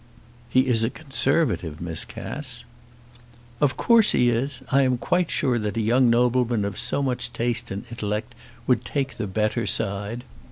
"He is a Conservative, Miss Cass." "Of course he is. I am quite sure that a young nobleman of so much taste and intellect would take the better side."